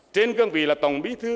trên cương vị là tổng bí thư